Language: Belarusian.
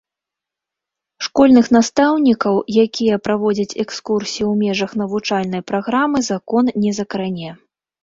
Школьных настаўнікаў, якія праводзяць экскурсіі ў межах навучальнай праграмы, закон не закране.